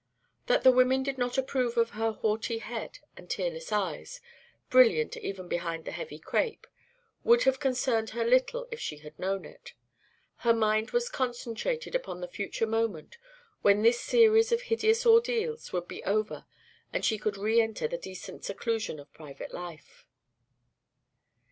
That the women did not approve of her haughty head and tearless eyes, brilliant even behind the heavy crêpe, would have concerned her little if she had known it. Her mind was concentrated upon the future moment when this series of hideous ordeals would be over and she could re enter the decent seclusion of private life.